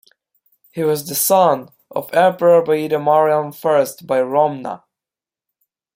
He was the son of Emperor Baeda Maryam I by Romna.